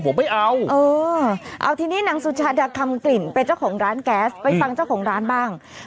ผมไม่เอาเออเอาทีนี้นางสุชาดาคำกลิ่นเป็นเจ้าของร้านแก๊สไปฟังเจ้าของร้านบ้าง